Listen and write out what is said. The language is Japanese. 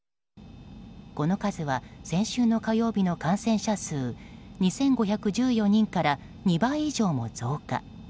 この数は先週の火曜日の感染者数２５１４人から２倍以上も増加。